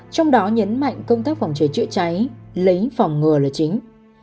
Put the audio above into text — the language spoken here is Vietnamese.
trong đó nhấn mạnh công tác phòng cháy chữa cháy lấy phòng ngừa là chính